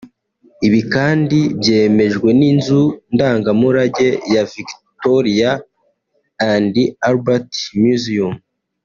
Ibi kandi byemejwe n’inzu ndangamurage ya Victoria and Albert Museum